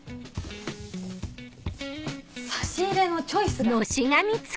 差し入れのチョイスが。